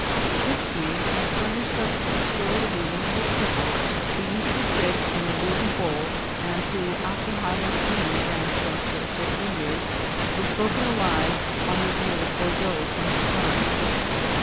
History has furnished us with the story of a "miserable cripple" who used to sit in a wooden bowl, and who, after having been Grand Coesre for three years, was broken alive on the wheel at Bordeaux for his crimes.